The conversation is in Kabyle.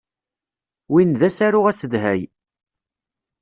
Win d asaru asedhay.